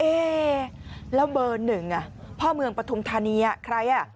เอ๊ะแล้วเบอร์๑พ่อเมืองประธุมธานีใคร